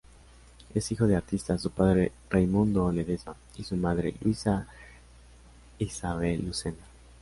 Es hijo de artistas, su padre Raimundo Ledesma y su madre Luisa Ysabel Lucena.